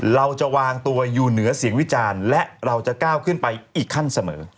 เราจะวางตัวอยู่เหนือเสียงวิจารณ์และเราจะก้าวขึ้นไปอีกขั้นเสมอ